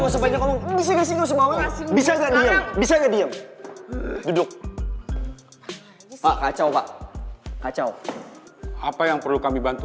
sampai jumpa di video selanjutnya